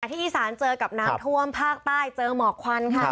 ที่อีสานเจอกับน้ำท่วมภาคใต้เจอหมอกควันค่ะ